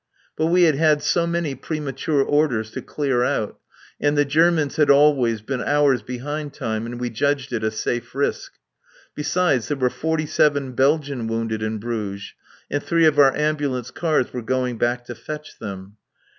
But we had had so many premature orders to clear out, and the Germans had always been hours behind time, and we judged it a safe risk. Besides, there were forty seven Belgian wounded in Bruges, and three of our ambulance cars were going back to fetch them.